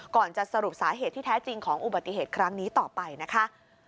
ก่อนจะสรุปสาเหตุที่แท้จริงของอุบัติเหตุครั้งนี้ต่อไปนะคะ